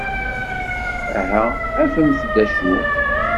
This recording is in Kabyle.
Aha afemt-d d acu!